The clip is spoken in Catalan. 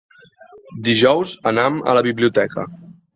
Dijous anam a la biblioteca.